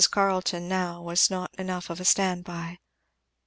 Carleton, now, was not enough of a stand by.